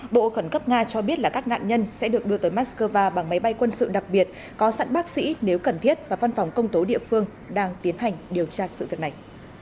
bộ khẩn cấp nga cho biết là các nạn nhân sẽ được đưa tới moscow bằng máy bay quân sự đặc biệt có sẵn bác sĩ nếu cần thiết và văn phòng công tố địa phương đang tiến hành điều tra sự việc này